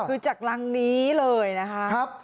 คือจากรังนี้เลยนะคะ